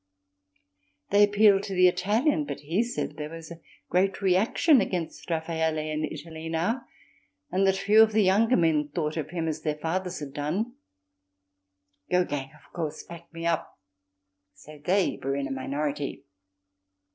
They appealed to the Italian, but he said there was a great reaction against Raffaelle in Italy now and that few of the younger men thought of him as their fathers had done. Gogin, of course, backed me up, so they were in a minority.